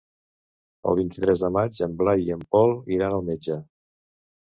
El vint-i-tres de maig en Blai i en Pol iran al metge.